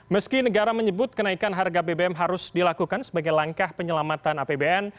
meski negara menyebut kenaikan harga bbm harus dilakukan sebagai langkah penyelamatan apbn